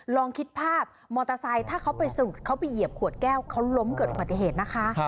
ลองคิดภาพมอเตอร์ไซค์ถ้าเขาไปสะดุดเขาไปเหยียบขวดแก้วเขาล้มเกิดอุบัติเหตุนะคะ